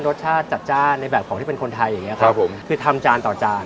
รสชาติจัดจ้านในแบบของที่เป็นคนไทยอย่างเงี้ครับผมคือทำจานต่อจาน